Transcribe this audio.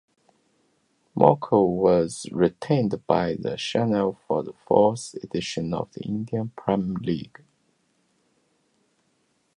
Morkel was retained by Chennai for the fourth edition of the Indian Premier League.